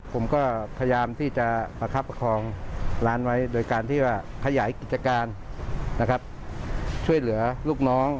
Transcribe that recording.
ผมก็พยายามที่จะหกับประคองร้านไว้โดยการที่ประใหยกิจการช่วยเหลือลูกน้อง